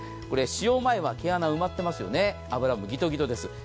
これ使用前は毛穴埋まっていますよね、脂もぎとぎとです。